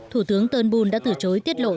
thủ tướng turnbull đã từ chối tiết lộ